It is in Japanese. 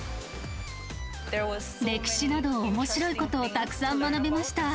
歴史など、おもしろいことをたくさん学びました。